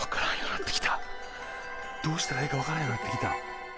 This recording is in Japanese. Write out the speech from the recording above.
どうしたらいいかわからんようになってきた。